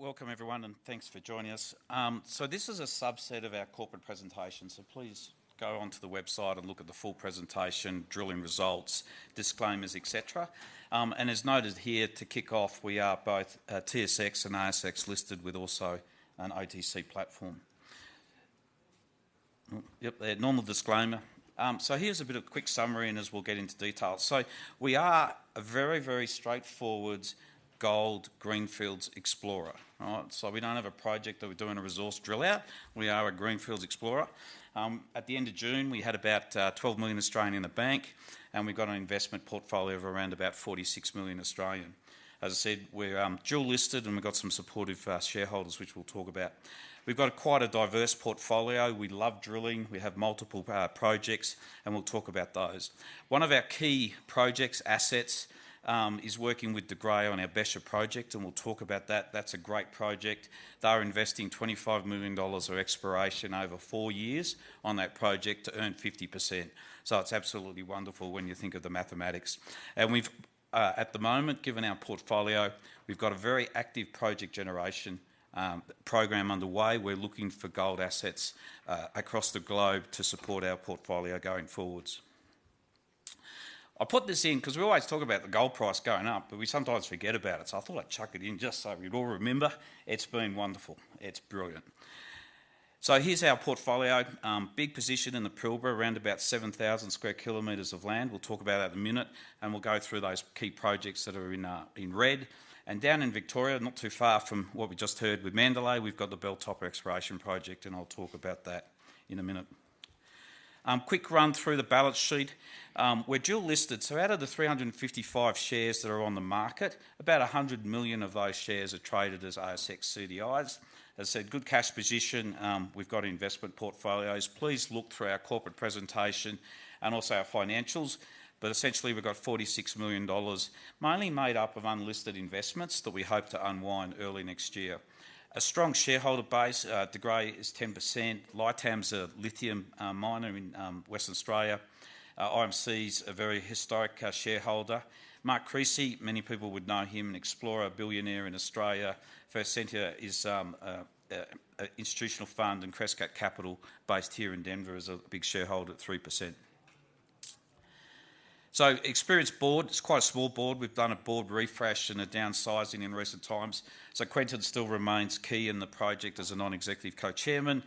Welcome everyone, and thanks for joining us. So this is a subset of our corporate presentation, so please go onto the website and look at the full presentation, drilling results, disclaimers, et cetera. And as noted here, to kick off, we are both TSX and ASX listed with also an OTC platform. Yep, the normal disclaimer. So here's a bit of quick summary, and as we'll get into details. So we are a very, very straightforward gold greenfields explorer. All right? So we don't have a project that we're doing a resource drill out. We are a greenfields explorer. At the end of June, we had about 12 million in the bank, and we got an investment portfolio of around about 46 million. As I said, we're dual listed, and we've got some supportive shareholders, which we'll talk about. We've got quite a diverse portfolio. We love drilling. We have multiple power projects, and we'll talk about those. One of our key projects, assets, is working with De Grey on our Becher project, and we'll talk about that. That's a great project. They are investing 25 million dollars of exploration over four years on that project to earn 50%. So it's absolutely wonderful when you think of the mathematics. And we've at the moment, given our portfolio, we've got a very active project generation program underway. We're looking for gold assets across the globe to support our portfolio going forwards. I put this in 'cause we always talk about the gold price going up, but we sometimes forget about it, so I thought I'd chuck it in just so we'd all remember. It's been wonderful. It's brilliant. So here's our portfolio. Big position in the Pilbara, around about 7,000 sq km of land. We'll talk about that in a minute, and we'll go through those key projects that are in, in red, and down in Victoria, not too far from what we just heard with Mandalay, we've got the Belltopper exploration project, and I'll talk about that in a minute. Quick run through the balance sheet. We're dual listed, so out of the 355 million shares that are on the market, about 100 million of those shares are traded as ASX CDIs. As I said, good cash position. We've got investment portfolios. Please look through our corporate presentation and also our financials, but essentially, we've got 46 million dollars, mainly made up of unlisted investments that we hope to unwind early next year. A strong shareholder base, De Grey is 10%. Liatam's a lithium miner in Western Australia. IMC's a very historic shareholder. Mark Creasy, many people would know him, an explorer, a billionaire in Australia. First Sentier is an institutional fund, and Crescat Capital, based here in Denver, is a big shareholder at 3%. So experienced board. It's quite a small board. We've done a board refresh and a downsizing in recent times. So Quinton still remains key in the project as a non-executive co-chairman.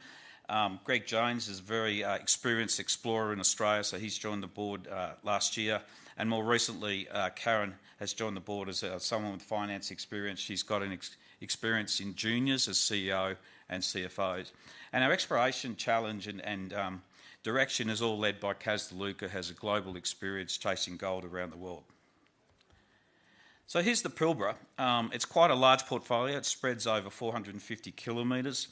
Greg Jones is a very experienced explorer in Australia, so he's joined the Board last year, and more recently, Karen has joined the Board as someone with finance experience. She's got experience in juniors as CEO and CFOs. Our exploration challenge and direction is all led by Kas De Luca, has a global experience chasing gold around the world. Here's the Pilbara. It's quite a large portfolio. It spreads over 450 km.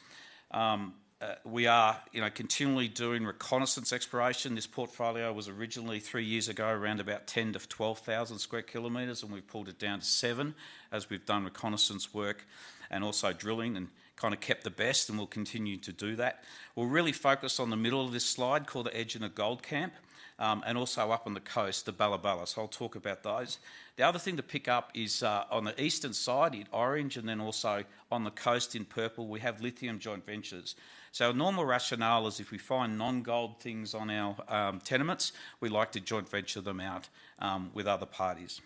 We are, you know, continually doing reconnaissance exploration. This portfolio was originally three years ago around about 10,000 sq km-12,000 sq km, and we've pulled it down to 7,000 sq km as we've done reconnaissance work and also drilling and kind of kept the best, and we'll continue to do that. We're really focused on the middle of this slide, called the Egina Gold Camp, and also up on the coast, the Balla Balla. I'll talk about those. The other thing to pick up is on the eastern side in orange, and then also on the coast in purple, we have lithium joint ventures. Normal rationale is if we find non-gold things on our tenements, we like to joint venture them out with other parties.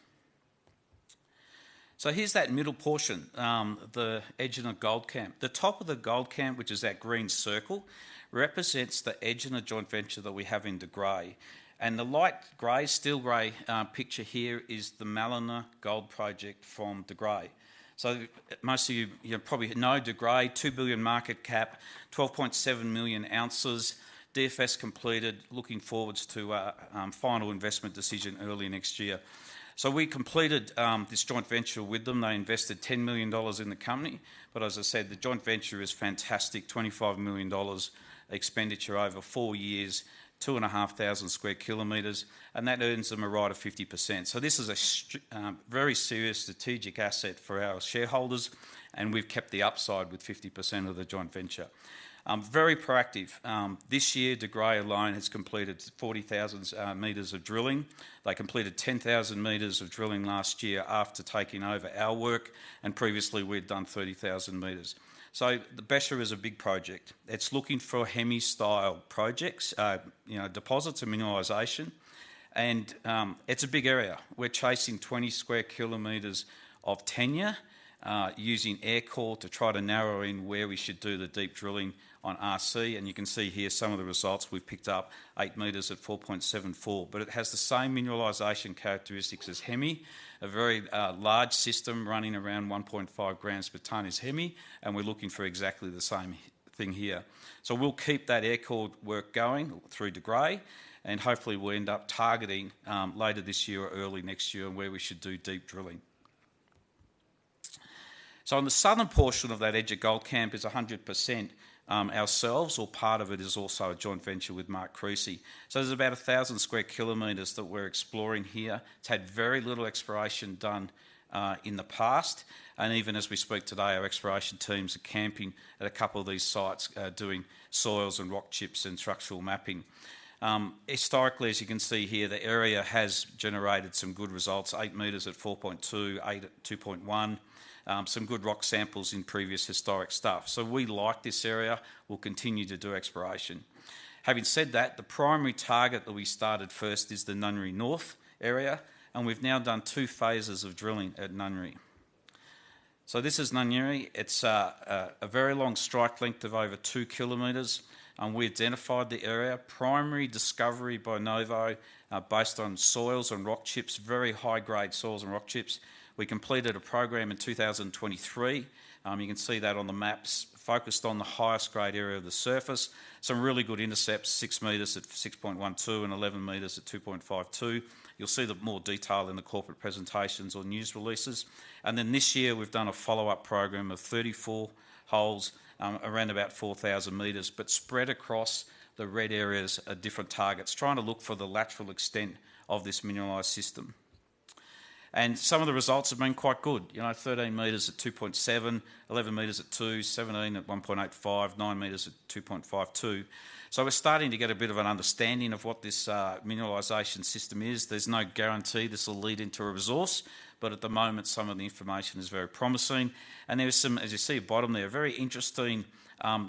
So here's that middle portion, the Egina Gold Camp. The top of the gold camp, which is that green circle, represents the Egina joint venture that we have in De Grey, and the light gray, steel gray picture here is the Mallina Gold Project from De Grey. So most of you probably know De Grey, 2 billion market cap, 12.7 million oz, DFS completed, looking forwards to a final investment decision early next year. So we completed this joint venture with them. They invested 10 million dollars in the company, but as I said, the joint venture is fantastic. 25 million dollars expenditure over four years, 2,500 sq km, and that earns them a right of 50%. This is a very serious strategic asset for our shareholders, and we've kept the upside with 50% of the joint venture. Very proactive. This year, De Grey alone has completed 40,000 m of drilling. They completed 10,000 m of drilling last year after taking over our work, and previously, we'd done 30,000 m. The Becher is a big project. It's looking for Hemi-style projects, you know, deposits and mineralization, and it's a big area. We're chasing 20 sq km of tenure, using aircore to try to narrow in where we should do the deep drilling on RC, and you can see here some of the results. We've picked up 8 m at 4.74 g, but it has the same mineralization characteristics as Hemi. A very large system running around 1.5 g per ton is Hemi, and we're looking for exactly the same thing here. So we'll keep that aircore work going through De Grey, and hopefully, we'll end up targeting later this year or early next year, where we should do deep drilling. So on the southern portion of that Egina Gold Camp is 100% ourselves, or part of it is also a joint venture with Mark Creasy. So there's about 1,000 sq km that we're exploring here. It's had very little exploration done in the past, and even as we speak today, our exploration teams are camping at a couple of these sites doing soils and rock chips and structural mapping. Historically, as you can see here, the area has generated some good results, 8 m at 4.2 g, 8 m at 2.1 g, some good rock samples in previous historic stuff. So we like this area. We'll continue to do exploration. Having said that, the primary target that we started first is the Nunyerry North area, and we've now done two phases of drilling at Nunyerry. So this is Nunyerry. It's a very long strike length of over 2 km, and we identified the area. Primary discovery by Novo, based on soils and rock chips, very high-grade soils and rock chips. We completed a program in 2023, you can see that on the maps, focused on the highest grade area of the surface. Some really good intercepts, 6 m at 6.12 g and 11 m at 2.52 g. You'll see the more detail in the corporate presentations or news releases. Then this year, we've done a follow-up program of 34 holes, around about 4,000 m, but spread across the red areas at different targets, trying to look for the lateral extent of this mineralized system. Some of the results have been quite good. You know, 13 m at 2.7 g, 11 m at 2 g, 17 m at 1.85 g, 9 m at 2.52 g. We're starting to get a bit of an understanding of what this, mineralization system is. There's no guarantee this will lead into a resource, but at the moment, some of the information is very promising. There is some, as you see at bottom there, very interesting,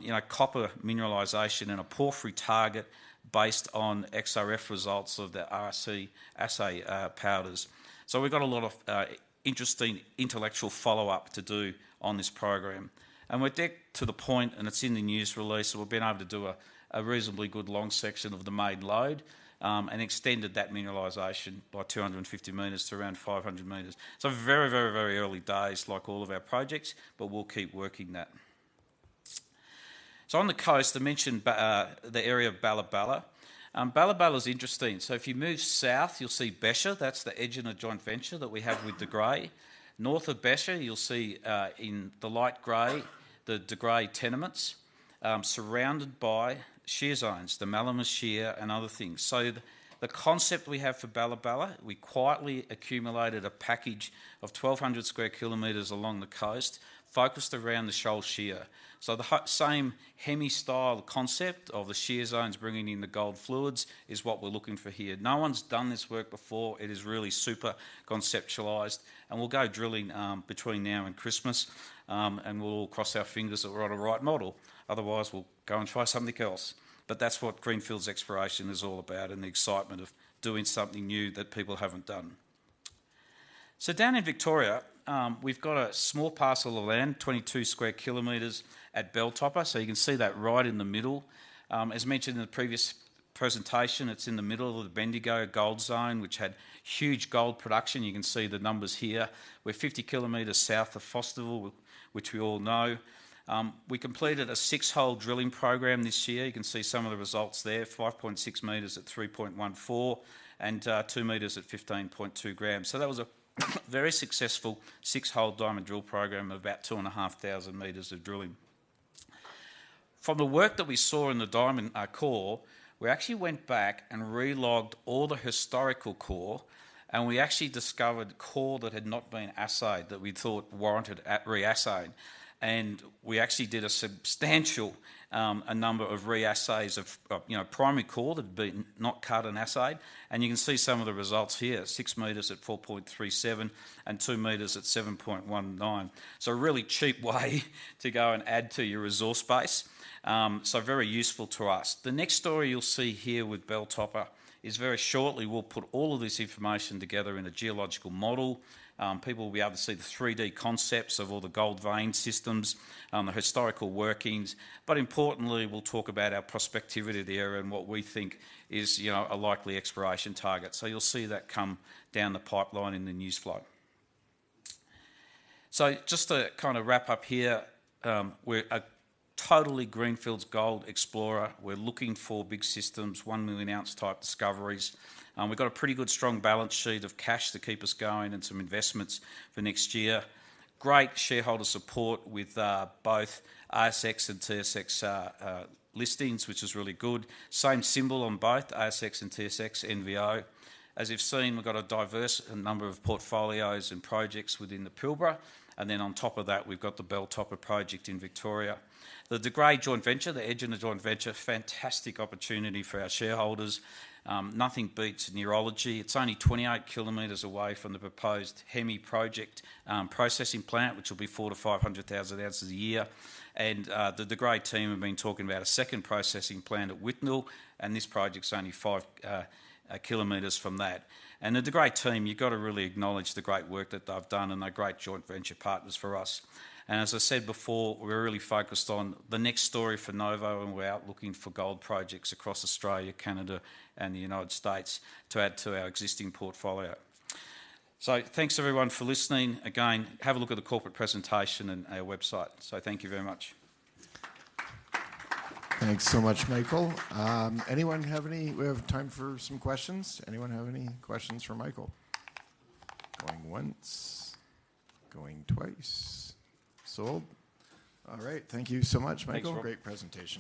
you know, copper mineralization and a porphyry target based on XRF results of the RC assay powders. So we've got a lot of interesting technical follow-up to do on this program. And we're get to the point, and it's in the news release, that we've been able to do a, a reasonably good long section of the main lode, and extended that mineralization by 250 m to around 500 m. So very, very, very early days, like all of our projects, but we'll keep working that. So on the coast, I mentioned the area of Balla Balla. Balla Balla is interesting. So if you move south, you'll see Becher. That's the Egina joint venture that we have with De Grey. North of Becher, you'll see, in the light gray, the De Grey tenements, surrounded by shear zones, the Mallina Shear and other things. So the concept we have for Balla Balla, we quietly accumulated a package of 1,200 sq km along the coast, focused around the Sholl Shear. So the same Hemi-style concept of the shear zones bringing in the gold fluids is what we're looking for here. No one's done this work before. It is really super conceptualized, and we'll go drilling, between now and Christmas, and we'll cross our fingers that we're on the right model. Otherwise, we'll go and try something else. But that's what greenfields exploration is all about and the excitement of doing something new that people haven't done. So down in Victoria, we've got a small parcel of land, 22 sq km at Belltopper. You can see that right in the middle. As mentioned in the previous presentation, it's in the middle of the Bendigo Gold Zone, which had huge gold production. You can see the numbers here. We're 50 km south of Fosterville, which we all know. We completed a six-hole drilling program this year. You can see some of the results there, 5.6 m at 3.14 g and 2 m at 15.2 g. That was a very successful six-hole diamond drill program of about 2,500 m of drilling. From the work that we saw in the diamond core, we actually went back and re-logged all the historical core, and we actually discovered core that had not been assayed, that we thought warranted a re-assay. And we actually did a substantial number of re-assays of, you know, primary core that had been not cut and assayed, and you can see some of the results here, 6 m at 4.37 g and 2 m at 7.19 g. So a really cheap way to go and add to your resource base. So very useful to us. The next story you'll see here with Belltopper is, very shortly, we'll put all of this information together in a geological model. People will be able to see the 3-D concepts of all the gold vein systems, the historical workings. But importantly, we'll talk about our prospectivity of the area and what we think is, you know, a likely exploration target. So you'll see that come down the pipeline in the news flow. Just to kind of wrap up here, we're a totally greenfields gold explorer. We're looking for big systems, one million oz type discoveries. We've got a pretty good, strong balance sheet of cash to keep us going and some investments for next year. Great shareholder support with both ASX and TSX listings, which is really good. Same symbol on both ASX and TSX, NVO. As you've seen, we've got a diverse number of portfolios and projects within the Pilbara, and then on top of that, we've got the Belltopper project in Victoria. The De Grey joint venture, the Egina joint venture, fantastic opportunity for our shareholders. Nothing beats nearology. It's only 28 km away from the proposed Hemi project processing plant, which will be 400,000 oz-500,000 oz a year. And, the De Grey team have been talking about a second processing plant at Withnell, and this project is only 5 km from that. And the De Grey team, you've got to really acknowledge the great work that they've done, and they're great joint venture partners for us. And as I said before, we're really focused on the next story for Novo, and we're out looking for gold projects across Australia, Canada, and the United States to add to our existing portfolio. So thanks, everyone, for listening. Again, have a look at the corporate presentation and our website. So thank you very much. Thanks so much, Michael. Anyone have any... We have time for some questions. Anyone have any questions for Michael? Going once. Going twice. Sold. All right. Thank you so much, Michael. Thanks. Great presentation.